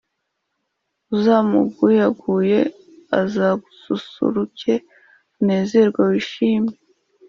Uzamuguyaguye, azasusuruke unezerwe wishime